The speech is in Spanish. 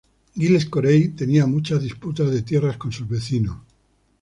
Giles Corey tenía muchas disputas de tierra con sus vecinos.